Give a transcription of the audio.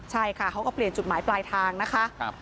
ใช่ค่ะเขาก็เปลี่ยนจุดหมายปลายทางนะคะ